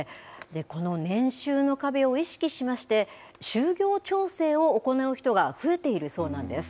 この年収の壁を意識しまして、就業調整を行う人が増えているそうなんです。